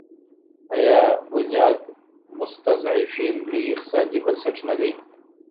آیا بنیاد مستضعفین لوی اقتصادي بنسټ نه دی؟